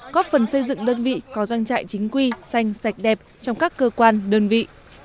góp phần xây dựng đơn vị có doanh trại chính quy xanh sạch đẹp trong các cơ quan đơn vị